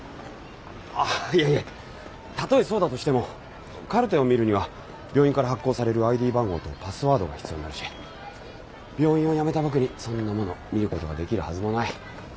あいやいやたとえそうだとしてもカルテを見るには病院から発行されるＩＤ番号とパスワードが必要になるし病院を辞めた僕にそんなもの見ることができるはずもない。